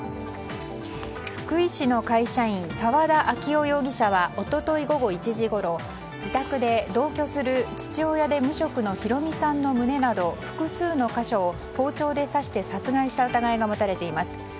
福井市の会社員沢田明雄容疑者は一昨日午後１時ごろ自宅で同居する父親で無職の弘美さんの胸など複数の箇所を包丁で刺して殺害した疑いが持たれています。